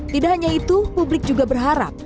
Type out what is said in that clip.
tidak hanya itu publik juga berharap